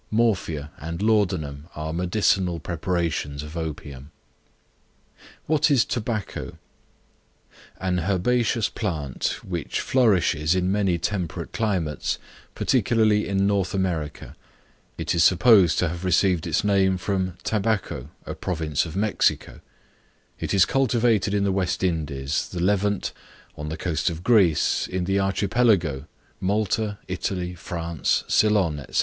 Morphia and laudanum are medicinal preparations of opium. What is Tobacco? An herbaceous plant which flourishes in many temperate climates, particularly in North America; it is supposed to have received its name from Tabaco, a province of Mexico; it is cultivated in the West Indies, the Levant, on the coast of Greece, in the Archipelago, Malta, Italy, France, Ceylon, &c.